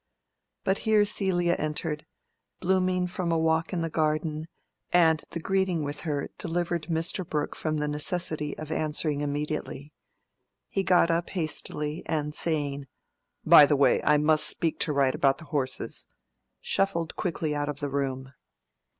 But here Celia entered, blooming from a walk in the garden, and the greeting with her delivered Mr. Brooke from the necessity of answering immediately. He got up hastily, and saying, "By the way, I must speak to Wright about the horses," shuffled quickly out of the room.